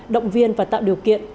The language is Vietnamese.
động viên và tạo điều kiện